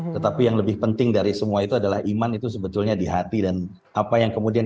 tetapi yang lebih penting dari semua itu adalah iman itu sebetulnya di hati dan apa yang kemudian